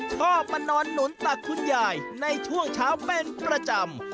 ชอบมานอนหนุนตักคุณยายในช่วงเช้าเป็นประจำ